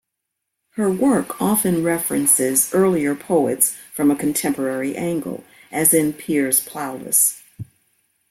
Her work often references earlier poets from a contemporary angle, as in "Piers Plowless".